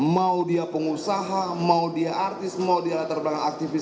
mau dia pengusaha mau dia artis mau dia latar belakang aktivis